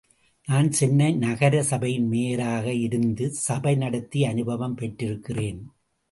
நான் சென்னை நகரசபையின் மேயராக இருந்து சபை நடத்தி அனுபவம் பெற்றிருக்கிறேன்.